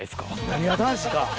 なにわ男子か！